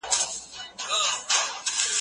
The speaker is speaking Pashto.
ایا د فرانسې لښکر په روسیه کې ماتې وخوړه؟